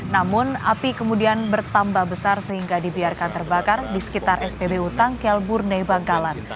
namun api kemudian bertambah besar sehingga dibiarkan terbakar di sekitar spbu tangkel burne bangkalan